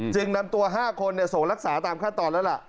จึงดำตัว๕คนเนี่ยส่งรักษาตามค่าตอนเล่นล่ะ